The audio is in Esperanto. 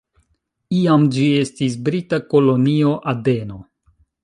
Iam ĝi estis brita Kolonio Adeno.